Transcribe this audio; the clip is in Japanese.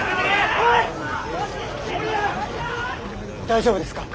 大丈夫ですか？